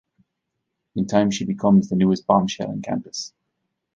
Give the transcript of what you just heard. In time she becomes the newest bombshell in campus.